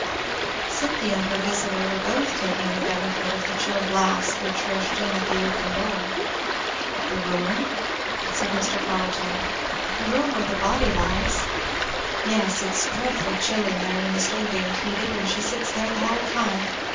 Cynthy and her visitor were both taking the benefit of the chill blast which rushed in at the open door. "The room?" said Mr. Carleton. "The room where the body lies?" "Yes it's dreadful chill in there when the stove ain't heated, and she sits there the hull time.